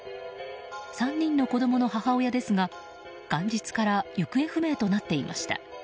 ３人の子供の母親ですが元日から行方不明となっていました。